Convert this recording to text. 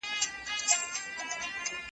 د لارښود او شاګرد تر منځ مخالفت طبیعي خبره ده.